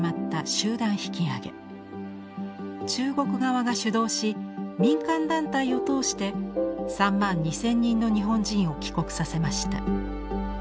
中国側が主導し民間団体を通して３万２，０００人の日本人を帰国させました。